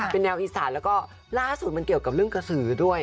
เป็นแนวอีสานแล้วก็ล่าสุดมันเกี่ยวกับเรื่องกระสือด้วย